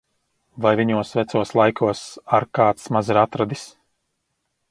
Vai viņos vecos laikos ar kāds maz ir atradis!